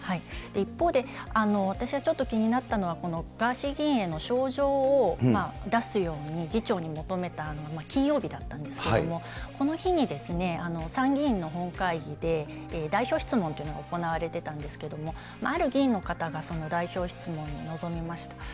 一方で、私はちょっと気になったのはこのガーシー議員への招状を出すように議長に求めたのが金曜日だったんですけれども、この日に参議院の本会議で、代表質問というのが行われてたんですけれども、ある議員の方が、その代表質問に臨みました。